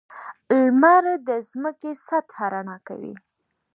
• لمر د ځمکې سطحه رڼا کوي.